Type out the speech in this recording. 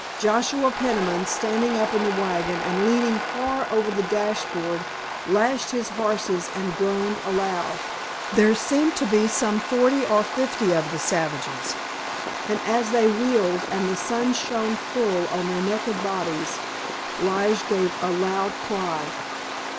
_ Joshua Peniman, standing up in the wagon and leaning far over the dashboard, lashed his horses and groaned aloud. There seemed to be some forty or fifty of the savages, and as they wheeled and the sun shone full on their naked bodies Lige gave a loud cry.